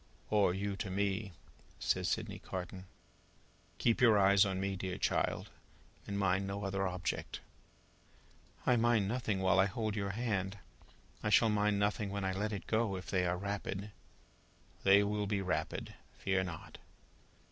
"Or you to me," says Sydney Carton. "Keep your eyes upon me, dear child, and mind no other object." "I mind nothing while I hold your hand. I shall mind nothing when I let it go, if they are rapid." "They will be rapid. Fear not!"